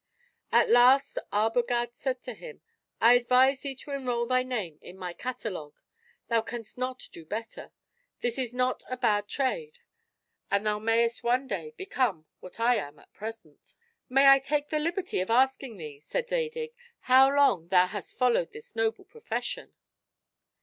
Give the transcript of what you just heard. At last Arbogad said to him; "I advise thee to enroll thy name in my catalogue; thou canst not do better; this is not a bad trade; and thou mayest one day become what I am at present." "May I take the liberty of asking thee," said Zadig, "how long thou hast followed this noble profession?"